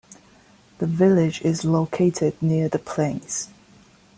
The village is located near The Plains.